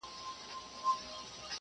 د پېغلوټو تر پاپیو به شم لاندي،